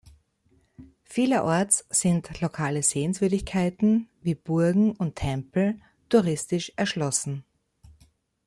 Vielerorts sind lokale Sehenswürdigkeiten wie Burgen und Tempel touristisch erschlossen.